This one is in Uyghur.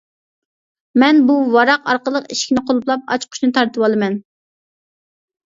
مەن بۇ ۋاراق ئارقىلىق ئىشىكنى قۇلۇپلاپ، ئاچقۇچنى تارتىۋالىمەن.